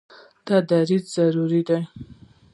دا دریځ ضروري دی.